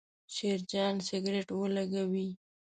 شیرجان سګرېټ ولګاوې.